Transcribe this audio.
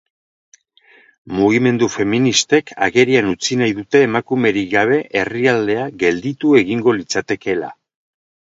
Mugimendu feministek agerian utzi nahi dute emakumerik gabe herrialdea gelditu egingo litzatekeela.